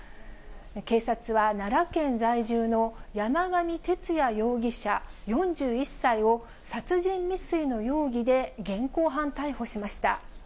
警察は奈良県在住の山上徹也容疑者４１歳を、殺人未遂の容疑で現行犯逮捕しました。